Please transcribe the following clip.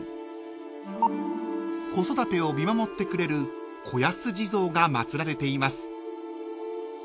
［子育てを見守ってくれる子安地蔵が祭られています］